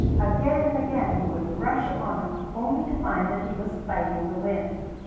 Again and again he would rush upon them, only to find that he was fighting the wind.